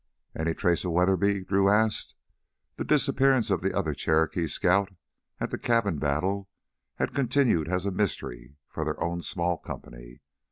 "Any trace of Weatherby?" Drew asked. The disappearance of the other Cherokee scout at the cabin battle had continued as a mystery for their own small company.